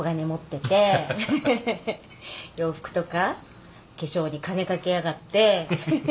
洋服とか化粧に金掛けやがって。